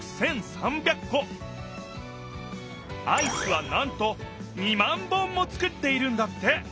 アイスはなんと２万本もつくっているんだって！